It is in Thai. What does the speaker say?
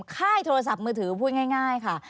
ค่ายโทรศัพท์มือถือพูดง่ายค่ะ